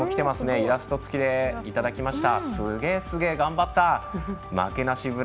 イラスト付きでいただきました。